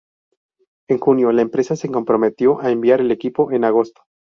En junio, la empresa se comprometió a enviar el equipo en agosto.